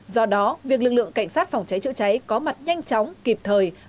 do đó việc lực lượng cảnh sát phòng cháy chữa cháy có mặt nhanh chóng kịp thời